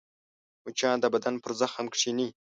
مچان د بدن پر زخم کښېني